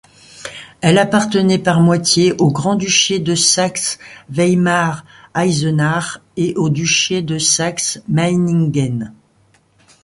Elle appartenait par moitié au grand-duché de Saxe-Weimar-Eisenach et au duché de Saxe-Meiningen.